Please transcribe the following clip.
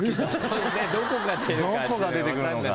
どこが出るか。